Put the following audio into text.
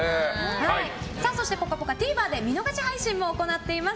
「ぽかぽか」、ＴＶｅｒで見逃し配信も行ています。